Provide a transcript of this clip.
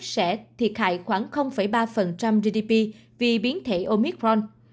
sẽ thiệt hại khoảng ba gdp vì biến thể omicron